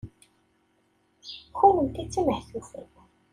Kennemti d timehtufin.